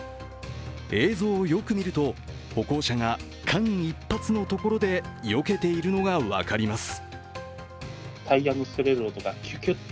映像をよく見ると歩行者が間一髪のところでよけているのが分かります。